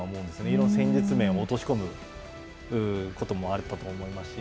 戦術面を落とし込むこともあったと思いますし。